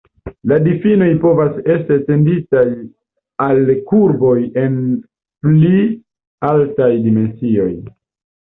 La difinoj povas esti etenditaj al kurboj en pli altaj dimensioj.